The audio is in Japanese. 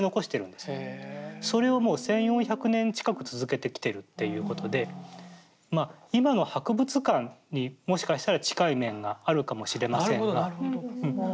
それをもう１，４００年近く続けてきてるっていうことでまあ今の博物館にもしかしたら近い面があるかもしれませんが。